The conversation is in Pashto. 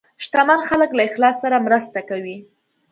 شتمن خلک له اخلاص سره مرسته کوي.